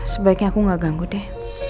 sebaiknya aku gak ganggu deh